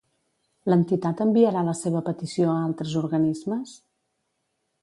L'entitat enviarà la seva petició a altres organismes?